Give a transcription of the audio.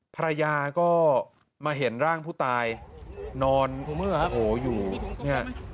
ภรรยาก็มาเห็นร่างผู้ตายนอนโหอยู่เนี่ย